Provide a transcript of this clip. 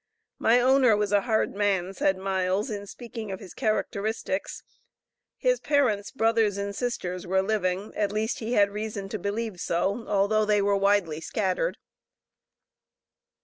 "My owner was a hard man," said Miles, in speaking of his characteristics. His parents, brothers, and sisters were living, at least he had reason to believe so, although they were widely scattered.